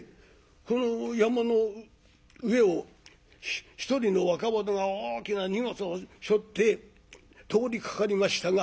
この山の上を一人の若者が大きな荷物をしょって通りかかりましたが。